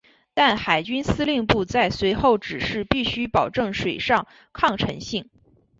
但海军司令部在随后指示必须保证水上抗沉性。